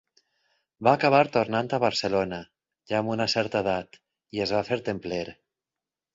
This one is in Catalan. Va acabar tornant a Barcelona, ja amb una certa edat, i es va fer templer.